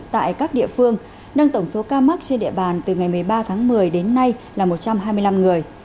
tại các địa phương nâng tổng số ca mắc trên địa bàn từ ngày một mươi ba tháng một mươi đến nay là một trăm hai mươi năm người